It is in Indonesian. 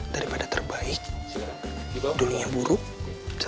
daripada terbaik dulunya buruk